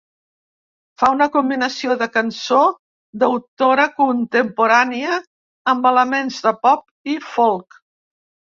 Fa una combinació de cançó d’autora contemporània amb elements de pop i folk.